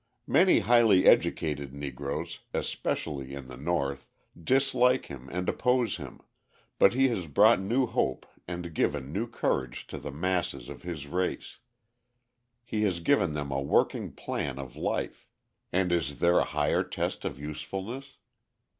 Many highly educated Negroes, especially, in the North, dislike him and oppose him, but he has brought new hope and given new courage to the masses of his race. He has given them a working plan of life. And is there a higher test of usefulness?